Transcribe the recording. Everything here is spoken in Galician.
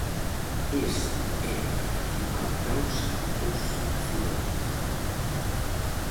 Ese é a principal causa dos accidentes.